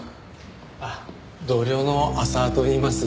あっ同僚の浅輪といいます。